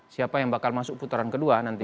siapa yang bakal masuk putaran kedua nanti